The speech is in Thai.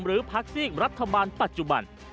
พักซีกรัฐบาลปัจจุบัน